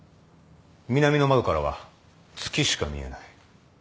南の窓からは月しか見えない。